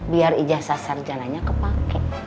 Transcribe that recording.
biar ijazah sarjananya kepake